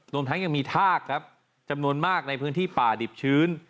รวมทั้งยังมีทากครับจำนวนมากในพื้นที่ป่าดิบชื้น